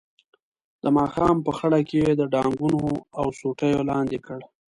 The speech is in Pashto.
د ماښام په خړه کې یې د ډانګونو او سوټیو لاندې کړ.